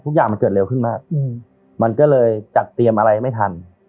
ทุกอย่างมันเกิดเร็วขึ้นมากมันก็เลยจัดเตรียมอะไรไม่ทัน